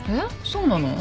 そうなの？